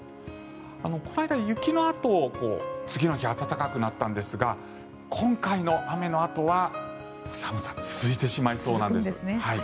この間、雪のあと次の日暖かくなったんですが今回の雨のあとは寒さ、続いてしまいそうです。